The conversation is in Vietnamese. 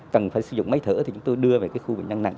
cần phải sử dụng máy thở thì chúng tôi đưa về cái khu bệnh nhân nặng